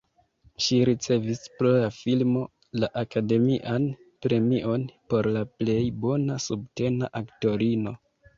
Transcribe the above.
Ŝi ricevis pro la filmo la Akademian Premion por la plej bona subtena aktorino.